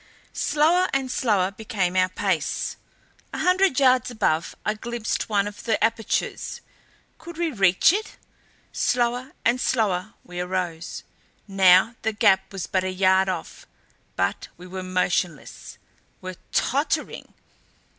Slower and slower became our pace. A hundred yards above I glimpsed one of the apertures. Could we reach it? Slower and slower we arose. Now the gap was but a yard off but we were motionless were tottering!